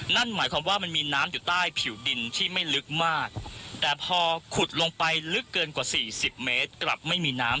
นั่นหมายความว่ามันมีน้ำอยู่ใต้ผิวดินที่ไม่ลึกมากแต่พอขุดลงไปลึกเกินกว่าสี่สิบเมตรกลับไม่มีน้ำ